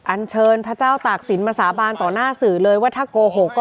อันเชิญพระเจ้าตากศิลปมาสาบานต่อหน้าสื่อเลยว่าถ้าโกหกก็